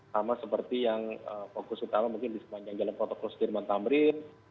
sama seperti yang fokus utama mungkin di sepanjang jalan protokol sudirman tamrin